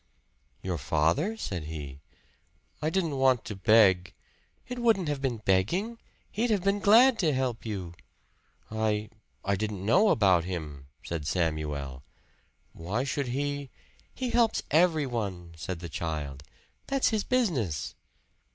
"Your father?" said he. "I didn't want to beg " "It wouldn't have been begging. He'd have been glad to help you." "I I didn't know about him," said Samuel. "Why should he " "He helps everyone," said the child. "That's his business."